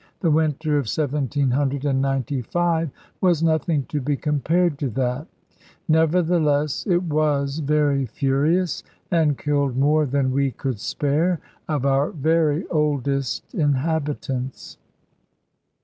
The winter of 1795 was nothing to be compared to that; nevertheless it was very furious, and killed more than we could spare of our very oldest inhabitants.